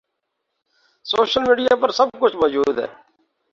social media پر سب کچھ موجود ہے